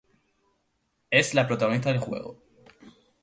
Es la protagonista del juego.